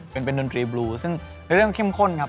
เป็นดนตรีบลูซึ่งเริ่มเข้มข้นครับ